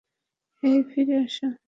হেই, ফিরে এসো!